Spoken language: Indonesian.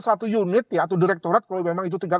satu unit ya atau direktorat kalau memang itu tingkat